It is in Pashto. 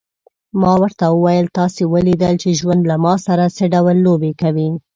ما ورته وویل: تاسي ولیدل چې ژوند له ما سره څه ډول لوبې کوي.